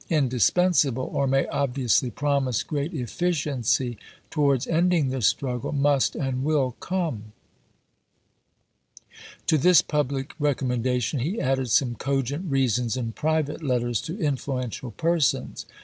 indispensable, or may obviously promise great efficiency towards ending the struggle, must and will come. To this public recommendation he added some cogent reasons in private letters to influential per sons.